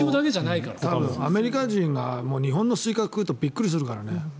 アメリカ人が日本のスイカを食べるとびっくりするからね。